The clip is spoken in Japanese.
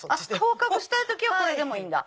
顔隠したい時はこれでいいんだ。